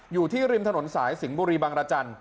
อยู่ที่ริมถนนสายสิงห์บุรีบางรจันทร์